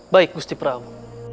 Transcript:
baik gusti prabu